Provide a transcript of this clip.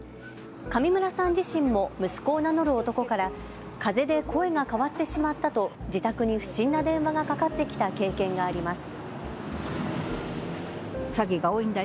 上村さん自身も息子を名乗る男からかぜで声が変わってしまったと自宅に不審な電話がかかってきた経験があります。